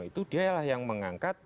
itu dialah yang mengangkat